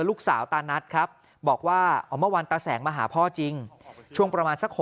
ตานัดครับบอกว่าเมื่อวานตาแสงมาหาพ่อจริงช่วงประมาณสัก